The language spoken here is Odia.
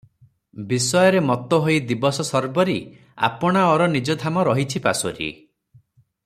ବିଷୟରେ ମତ୍ତ ହୋଇ ଦିବସଶର୍ବରୀ, ଆପଣାଅର ନିଜ ଧାମ ରହିଛି ପାସୋରି ।